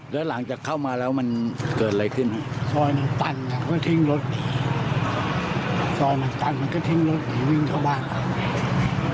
เดี๋ยวหลังจากเข้ามาแล้วมันเกิดอะไรขึ้นซอยหนังตันมันก็ทิ้งรถซอยหนังตันมันก็ทิ้งรถหน่อยวิ่งเข้าบ้านออก